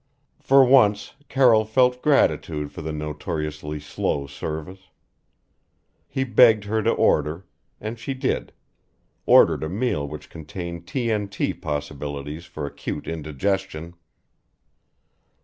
For once Carroll felt gratitude for the notoriously slow service. He begged her to order and she did: ordered a meal which contained T.N.T. possibilities for acute indigestion.